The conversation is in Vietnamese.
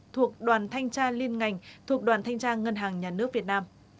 thuộc đoàn thanh tra liên ngành thuộc đoàn thanh tra ngân hàng nhà nước việt nam